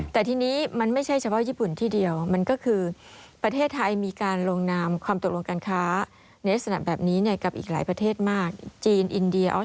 แต่ทีนี้มันไม่ใช่เฉพาะญี่ปุ่นที่เดียว